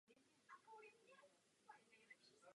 Přesto však devět členských států požaduje posílení spolupráce.